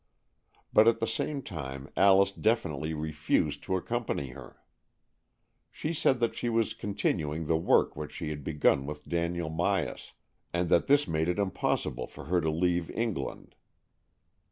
But at the same time Alice definitely refused to accompany her. She said that she was continuing the work which she had begun with Daniel Myas, and that this made it impossible for her to leave England.